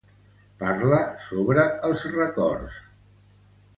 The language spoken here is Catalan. Parla sobre els records.